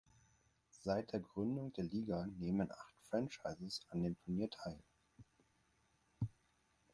Seit der Gründung der Liga nehmen acht Franchises an dem Turnier teil.